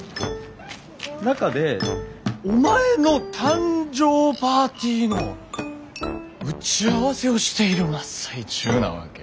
中でお前の誕生パーティーの打ち合わせをしている真っ最中なわけ。